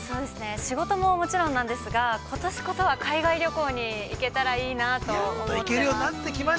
仕事ももちろんなんですがことしこそは、海外旅行に行けたらいいなと思ってます。